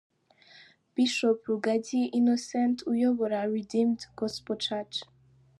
Bishop Rugagi Innocent uyobora Redeemed Gospel Church.